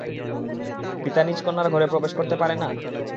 পিতা নিজ কন্যার ঘরে প্রবেশ করতে পারে না?